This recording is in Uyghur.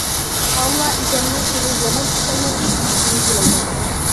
ئاللا ئىگەمنىڭ سېنى يامان كېسەللەردىن ساقلىشىنى تىلەيمەن.